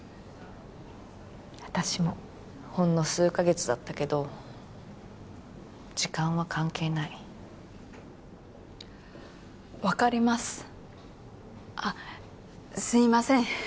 私もほんの数カ月だったけど時間は関係ない分かりますあっすいません